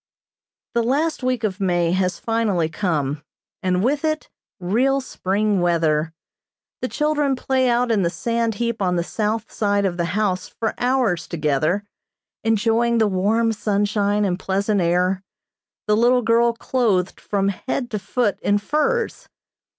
The last week of May has finally come, and with it real spring weather. The children play out in the sand heap on the south side of the house for hours together, enjoying the warm sunshine and pleasant air, the little girl clothed from head to foot in furs.